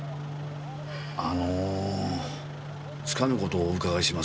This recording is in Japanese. あのつかぬ事をお伺いします。